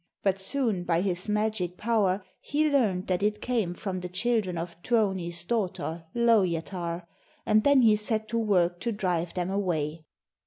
But soon by his magic power he learned that it came from the children of Tuoni's daughter, Lowjatar, and then he set to work to drive them away.